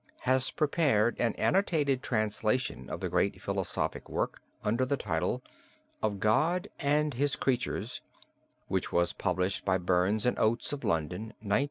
has prepared an annotated translation of the great philosophic work under the title, "Of God and His Creatures," which was published by Burns and Oates of London, 1905.